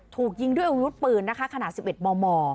ถูกยิงด้วยอุณหุ้นปืนนะคะขณะสิบเอ็ดมม